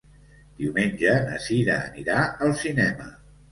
Diumenge na Sira anirà al cinema.